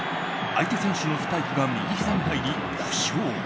相手選手のスパイクが右ひざに入り負傷。